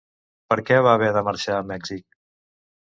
Per què va haver de marxar a Mèxic?